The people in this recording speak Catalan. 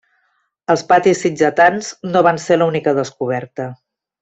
Els patis sitgetans no van ser l'única descoberta.